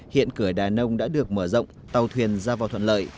hiện cửa đà nông đã được mở rộng tàu thuyền ra vào thuận lợi